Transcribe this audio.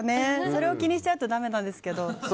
それを気にしちゃうとだめなんですけど。